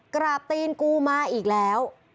กราบตีนกูมาอีกแล้ว